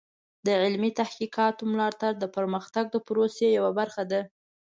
د علمي تحقیقاتو ملاتړ د پرمختګ د پروسې یوه برخه ده.